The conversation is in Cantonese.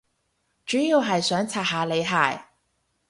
主要係想刷下你鞋